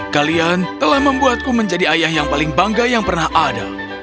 kalian telah membuatku menjadi ayah yang paling bangga yang pernah ada